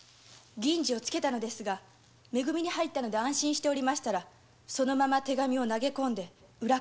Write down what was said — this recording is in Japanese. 銀次をつけたのですがめ組に入ったので安心してたら手紙を投げ込んで裏から。